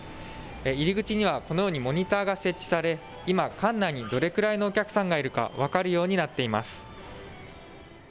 入り口には、このようにモニターが設置され、今、館内にどれぐらいのお客さんがいるか分かるようになっています。